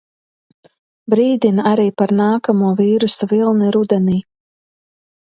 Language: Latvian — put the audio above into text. Brīdina arī par nākamo vīrusa vilni rudenī.